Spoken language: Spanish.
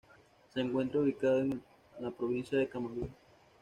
Se encuentra ubicado en la provincia de Camagüey.